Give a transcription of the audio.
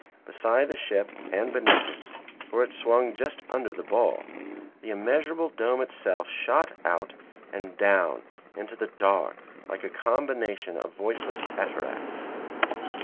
Beside the ship and beneath it (for it swung just under the ball), the immeasurable dome itself shot out and down into the dark like a combination of voiceless cataracts.